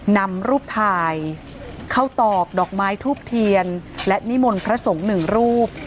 นำรูปถ่ายเข้าตอบดอกไม้ทูพเทียนและนิมนผสง๑รูป